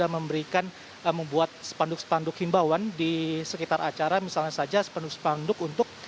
memberikan membuat spanduk spanduk himbawan di sekitar acara misalnya saja spanduk spanduk